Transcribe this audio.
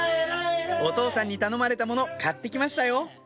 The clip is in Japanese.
お父さんに頼まれたもの買って来ましたよ